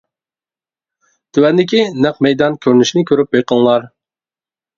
تۆۋەندىكى نەق مەيدان كۆرۈنۈشىنى كۆرۈپ بېقىڭلار.